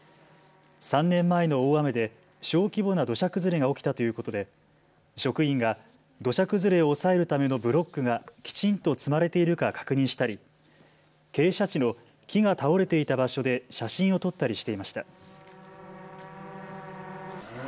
３年前の大雨で小規模な土砂崩れが起きたということで職員が土砂崩れを抑えるためのブロックがきちんと積まれているか確認したり傾斜地の木が倒れていた場所で写真を撮ったりしていました。